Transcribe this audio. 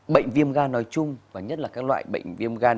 bệnh viêm gan nói chung và nhất là các loại bệnh viêm gan